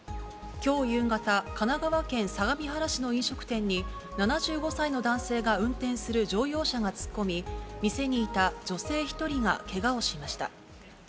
きょう夕方、神奈川県相模原市の飲食店に、７５歳の男性が運転する乗用車が突っ込み、店にいた女性１人がけがをしました。